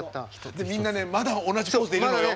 でみんなねまだ同じポーズでいるのよ。